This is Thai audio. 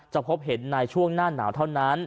พบเห็นในช่วงหน้าหนาวเท่านั้น